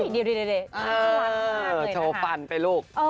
นี่โชว์ฟันไปลูก